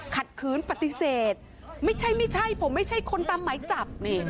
ขัดขืนปฏิเสธไม่ใช่ไม่ใช่ผมไม่ใช่คนตามหมายจับ